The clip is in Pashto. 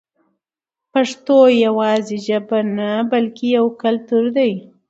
پښتو یوازې ژبه نه بلکې یو کلتور دی.